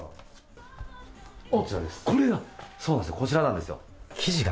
こちらなんですが。